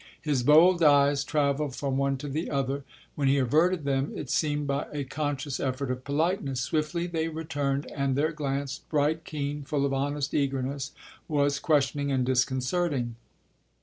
His bold eyes travelled from one to the other. When he averted them it seemed by a conscious effort of politeness; swiftly they returned, and their glance, bright, keen, full of honest eagerness, was questioning and disconcerting.